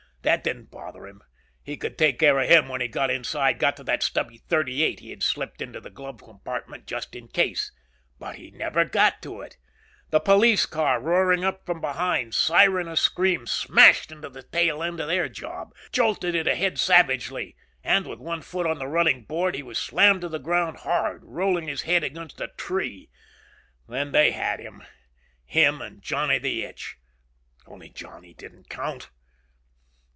That didn't bother him. He could take care of him when he got inside, got to that stubby .38 he had slipped into the glove compartment just in case. But he never got to it. That police car, roaring up from behind, siren a scream, smashed into the tail end of their job. Jolted it ahead savagely. And with one foot on the running board, he was slammed to the ground hard, rolling his head against a tree. Then they had him. Him and Johnny the Itch. Only Johnny didn't count.